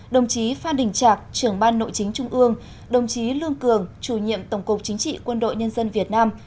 đồng chí phan đình trạc trưởng ban nội chính trung ương đồng chí lương cường chủ nhiệm tổng cục chính trị quân đội nhân dân việt nam